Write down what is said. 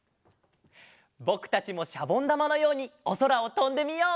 ぼくたちもしゃぼんだまのようにおそらをとんでみよう！